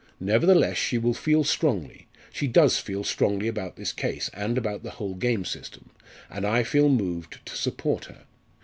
Nevertheless, she will feel strongly she does feel strongly about this case, and about the whole game system and I feel moved to support her.